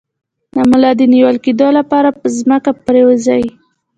د ملا د نیول کیدو لپاره په ځمکه پریوځئ